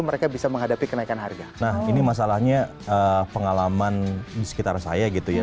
mereka bisa menghadapi kenaikan harga nah ini masalahnya pengalaman di sekitar saya gitu ya